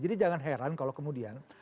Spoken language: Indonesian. jadi jangan heran kalau kemudian